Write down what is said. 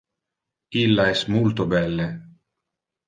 Illa es multo belle.